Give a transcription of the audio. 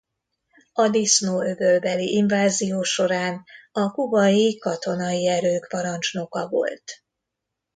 A Disznó-öbölbeli invázió során a kubai katonai erők parancsnoka volt.